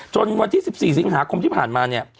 จนวันที่๑๔สิงหาคมที่ผ่านมา